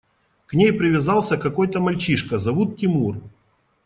К ней привязался какой-то мальчишка, зовут Тимур.